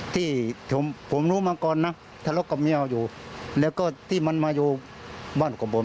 ที่ผมรู้มาก่อนนะทะเลาะกับเมียอยู่แล้วก็ที่มันมาอยู่บ้านกับผม